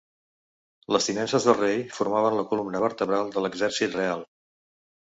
Les tinences del rei formaven la columna vertebral de l'exèrcit real.